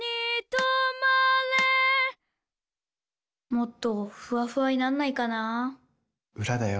もっとフワフワになんないかなぁ裏だよ。